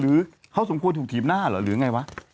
หรือเขาสมควรถูกถีบหน้าเหรอหรือไงวะ